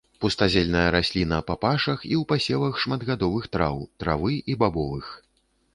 Пустазельная расліна па пашах і ў пасевах шматгадовых траў, травы і бабовых.